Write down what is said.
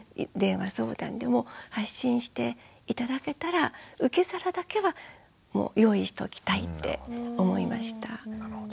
電話相談でも発信して頂けたら受け皿だけは用意しておきたいって思いました。